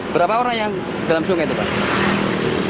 berapa orang yang dalam sungai itu pak